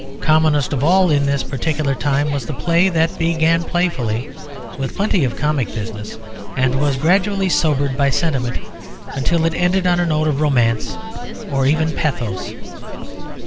Commonest of all in this particular time was the play that began playfully, with plenty of comic business, and was gradually sobered by sentiment until it ended on a note of romance or even of pathos.